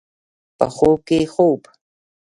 په خوب کې خوب